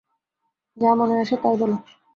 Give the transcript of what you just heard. যা মনে আসে তা-ই বল।